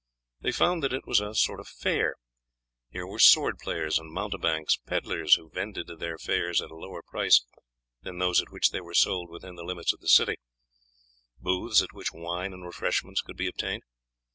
They found that it was a sort of fair. Here were sword players and mountebanks, pedlars who vended their wares at a lower price than those at which they were sold within the limits of the city, booths at which wine and refreshments could be obtained.